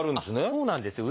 そうなんですよ。